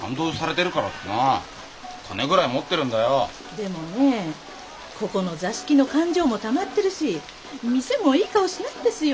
でもねここの座敷の勘定もたまってるし店もいい顔しないんですよ。